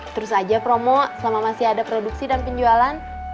terus aja promo selama masih ada produksi dan penjualan